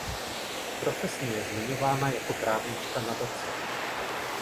Profesně je zmiňována jako právnička nadace.